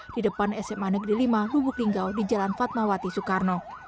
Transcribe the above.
di depan sma negeri lima lubuk linggau di jalan fatmawati soekarno